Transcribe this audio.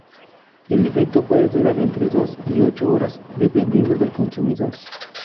El efecto puede durar entre dos y ocho horas, dependiendo del consumidor.